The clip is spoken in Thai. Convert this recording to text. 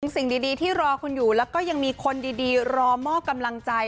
สิ่งดีที่รอคุณอยู่แล้วก็ยังมีคนดีรอมอบกำลังใจ